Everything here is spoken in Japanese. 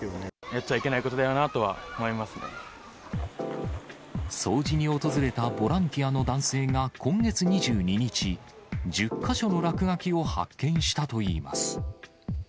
やっちゃいけないことだよな掃除に訪れたボランティアの男性が今月２２日、１０か所の落書きを発見したといいます。